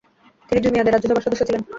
তিনি দুই মেয়াদে রাজ্যসভার সদস্য ছিলেন।